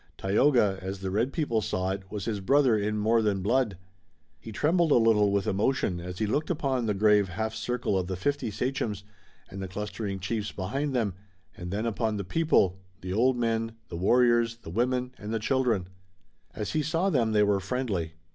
Tayoga, as the red people saw it, was his brother in more than blood. He trembled a little with emotion as he looked upon the grave half circle of the fifty sachems, and the clustering chiefs behind them, and then upon the people, the old men, the warriors, the women and the children. As he saw them, they were friendly.